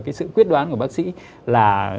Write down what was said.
cái sự quyết đoán của bác sĩ là